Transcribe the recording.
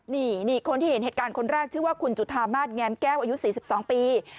นี่คนที่เห็นเหตุการณ์คนแรกชื่อว่าคุณจุธามาสแงมแก้วอายุ๔๒ปี